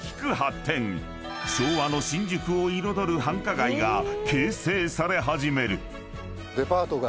［昭和の新宿を彩る繁華街が形成され始める］